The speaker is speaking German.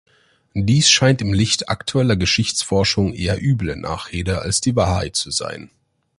Dies scheint im Licht aktueller Geschichtsforschung eher üble Nachrede als die Wahrheit zu sein.